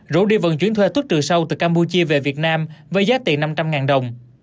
rối đi vận chuyển thuê thuốc trừ sâu từ campuchia về việt nam với giá tiền năm trăm linh đồng